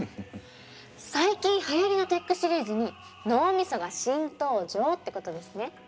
最近はやりのテックシリーズに脳みそが新登場ってことですね。